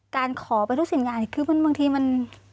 การขอไปทุกสิ่งอย่างคือบางทีมัน